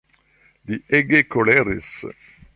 Li ege koleris.